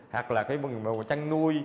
hoặc là cái vùng chăn nuôi